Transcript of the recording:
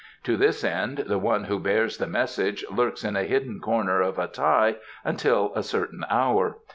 To this end the one who bears the message lurks in a hidden corner of Tai until a certain hour.